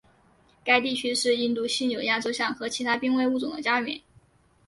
该地区是印度犀牛亚洲象和其他濒危物种的家园。